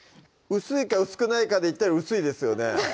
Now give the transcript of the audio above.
薄いか薄くないかでいったら薄いですよね